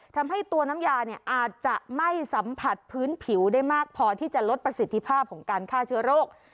ทำให้ตัวน้ำยาเนี่ยอาจจะไม่สัมผัสพื้นผิวได้มากพอที่จะลดประสิทธิภาพของการฆ่าเชื้อโรค